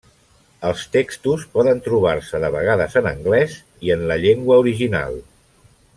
Els textos poden trobar-se de vegades en anglès i en la llengua original.